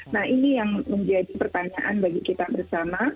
nah ini yang menjadi pertanyaan bagi kita bersama